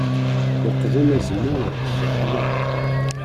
Leqqḍen azemmur s ccna.